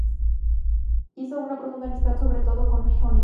Hizo una profunda amistad sobre todo con Honegger.